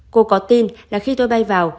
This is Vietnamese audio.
cô có tin là khi tôi bay vào